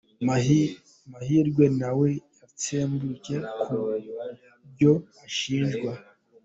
Mahirwe na we yatsembye ku byo ashinjwa.